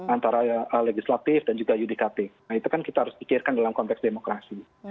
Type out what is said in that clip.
antara legislatif dan juga yudkp nah itu kan kita harus pikirkan dalam konteks demokrasi